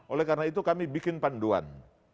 oleh karena itu kami bikin panduan